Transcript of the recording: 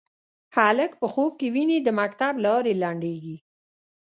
هلک په خوب کې ویني د مکتب لارې لنډیږې